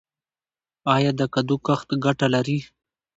آیا د کدو کښت ګټه لري؟